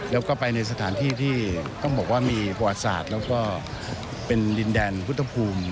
แล้วก็ไปในสถานที่ที่ต้องบอกว่ามีประวัติศาสตร์แล้วก็เป็นดินแดนพุทธภูมิ